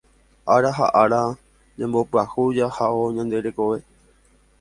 ára ha ára ñambopyahu jahávo ñande rekove